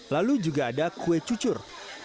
lalu juga ada kue cucur